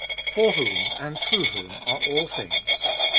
FOR WHOM AND THROUGH WHOM ARE ALL THINGS.